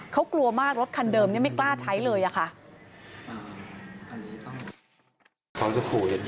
เขากลัวมากรถคันเดิมไม่กล้าใช้เลยอะค่ะ